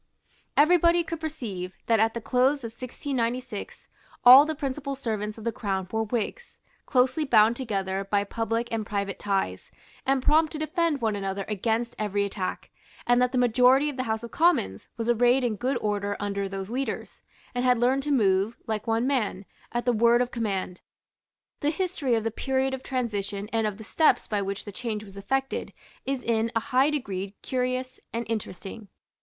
Everybody could perceive that at the close of 1696, all the principal servants of the Crown were Whigs, closely bound together by public and private ties, and prompt to defend one another against every attack, and that the majority of the House of Commons was arrayed in good order under those leaders, and had learned to move, like one man, at the word of command. The history of the period of transition and of the steps by which the change was effected is in a high degree curious and interesting.